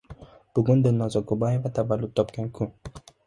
Bugun Dilnoza Kubayeva tavallud topgan kun